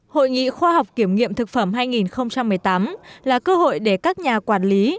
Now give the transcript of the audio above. hội nghị khoa học kiểm nghiệm thực phẩm hai nghìn một mươi tám là cơ hội để các nhà quản lý